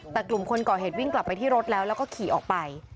แต่กลุ่มคนก่อเหตุวิ่งกลับไปที่รถแล้วแล้วก็ขี่ออกไป